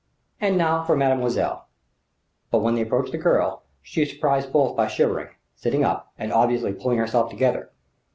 And now for mademoiselle." But when they approached the girl, she surprised both by shivering, sitting up, and obviously pulling herself together.